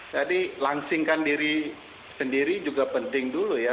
jadi langsingkan diri sendiri juga penting dulu ya